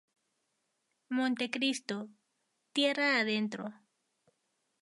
Montecristo, Tierra Adentro.